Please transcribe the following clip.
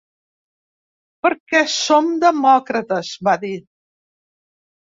Perquè som demòcrates, va dir.